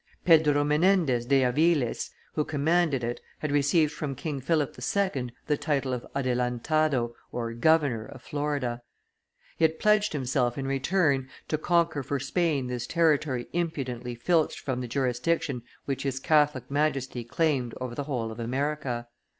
Pedro Menendez de Aviles, who commanded it, had received from King Philip II. the title of adelantado (governor) of Florida; he had pledged himself, in return, to conquer for Spain this territory impudently filched from the jurisdiction which His Catholic Majesty claimed over the whole of America.